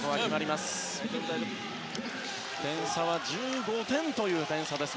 点差は１５点という点差です。